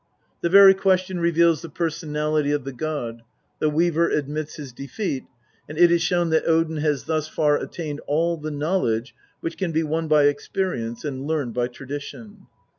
The very question reveals the personality of the god ; the Weaver admits his defeat ; and it is shown that Odin has thus far attained all the knowledge which can be won by experience and learned by tradition.